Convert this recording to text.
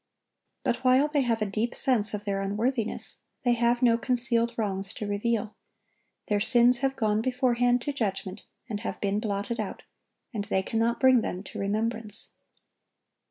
But while they have a deep sense of their unworthiness, they have no concealed wrongs to reveal. Their sins have gone beforehand to judgment, and have been blotted out; and they cannot bring them to remembrance.